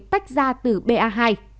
tách ra từ ba hai